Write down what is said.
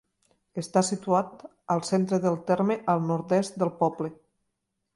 Està situat al centre del terme, al nord-est del poble.